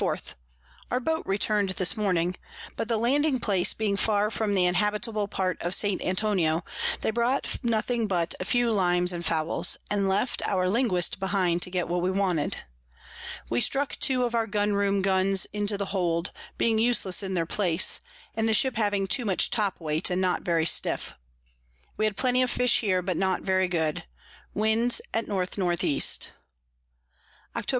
4._ Our Boat return'd this Morning; but the Landing place being far from the inhabitable part of St. Antonio, they brought nothing but a few Limes and Fowls, and left our Linguist behind to get what we wanted. We struck two of our Gun room Guns into the Hold, being useless in their place, and the Ship having too much top weight, and not very stiff. We had plenty of Fish here, but not very good. Wind at N N E. _Octob.